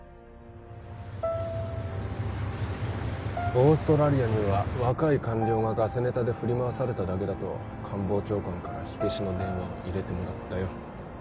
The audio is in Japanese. オーストラリアには若い官僚がガセネタで振り回されただけだと官房長官から火消しの電話を入れてもらったよ